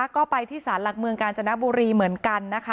ก็ไปที่ศาลหลักเมืองกาญจนบุรีเหมือนกันนะคะ